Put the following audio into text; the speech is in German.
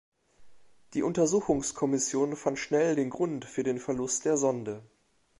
Die Untersuchungskommission fand schnell den Grund für den Verlust der Sonde.